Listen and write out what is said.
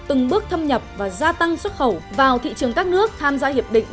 từng bước thâm nhập và gia tăng xuất khẩu vào thị trường các nước tham gia hiệp định